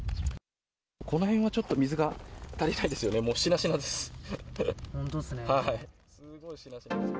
このへんはちょっと水が足りないですよね、しなしなです。